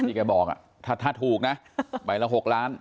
นี่แกบอกอ่ะถ้าถูกนะใบละ๖ล้าน